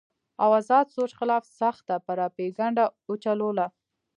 او ازاد سوچ خلاف سخته پراپېګنډه اوچلوله